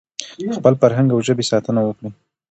د خپل فرهنګ او ژبې ساتنه وکړئ.